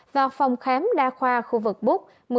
và phòng khám đa khoa khu vực búc